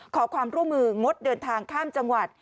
ขอความร่วมมืองดเดินทางข้ามจังหวัด